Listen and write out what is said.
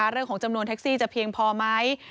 เรื่องของจำนวนแท็กซี่จะเพียงพอไหม